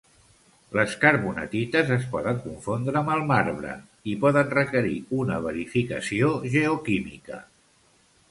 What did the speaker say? Les carbonatites es poden confondre amb el marbre i poden requerir una verificació geoquímica.